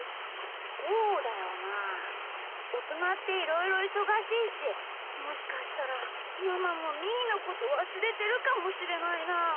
そうだよなあおとなっていろいろいそがしいしもしかしたらママもみーのことわすれてるかもしれないな。